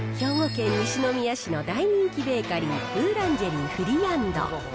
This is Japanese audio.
兵庫県西宮市の大人気ベーカリー、ブーランジェリー・フリアンド。